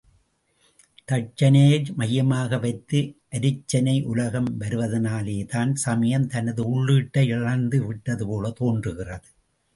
தட்சினையை மையமாக வைத்து அருச்சனை உலகம் வருவதனாலேதான் சமயம் தனது உள்ளீட்டை இழந்துவிட்டது போலத் தோன்றுகிறது.